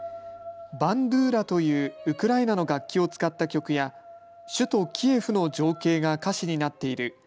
バンドゥーラというウクライナの楽器を使った曲や首都キエフの情景が歌詞になっている